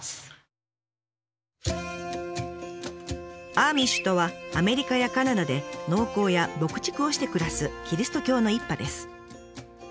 「アーミッシュ」とはアメリカやカナダで農耕や牧畜をして暮らすキリスト教の一派です。